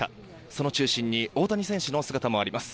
その中心に大谷選手の姿もあります。